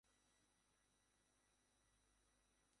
তখন সেখানে আরও চারটি মুক্তিযোদ্ধার দল হাইড আউটে অবস্থান করছিল।